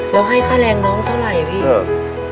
แล้วให้ค่าแรงน้องเท่าไหร่พี่